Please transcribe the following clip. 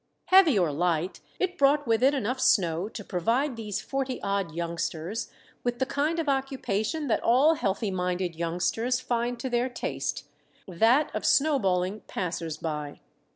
Heavy or light, it brought with it enough snow to provide these forty odd youngsters with the kind of occupation that all healthy minded youngsters find to their taste that of snow balling passersby.